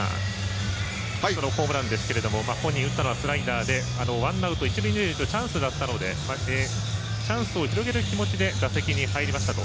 ホームランですけれども本人、打ったのはスライダーでワンアウト、一塁二塁とチャンスがあったのでチャンスを広げる気持ちで打席に入りましたと。